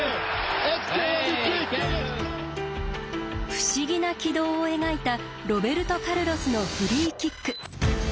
不思議な軌道を描いたロベルト・カルロスのフリーキック。